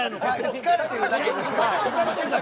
疲れてるだけ。